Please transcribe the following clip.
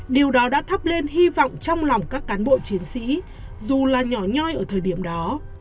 điều đó đã thắp lên hy vọng trong lòng các cán bộ chiến sĩ dù là nhỏ nhoi ở thời điểm đó